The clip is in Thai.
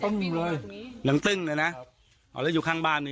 ตึ้งเลยหลังตึ้งเลยนะครับอ๋อแล้วอยู่ข้างบ้านเลยนะ